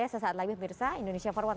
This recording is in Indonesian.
sesaat lagi pemirsa indonesia forward